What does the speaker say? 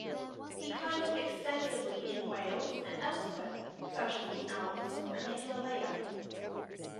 He climbed extensively in Wales and elsewhere, such as the Alps and the Himalaya.